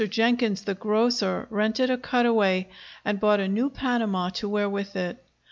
Jenkins, the grocer, rented a cutaway, and bought a new Panama to wear with it.